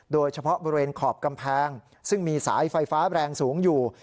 โดยเฉพาะบริเวณขอบกำแพงซึ่งมีสายไฟฟ้าแรงสูงอยู่